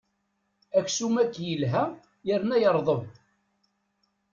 Aksum-agi yelha yerna yerḍeb.